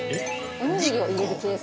◆お握りを入れるケース？